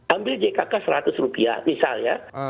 ambil jkk seratus rupiah misalnya